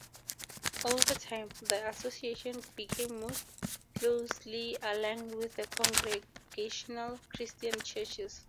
Over time, the association became most closely aligned with the Congregational Christian Churches.